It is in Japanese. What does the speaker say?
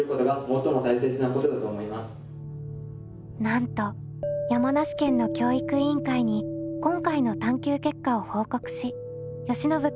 なんと山梨県の教育委員会に今回の探究結果を報告しよしのぶ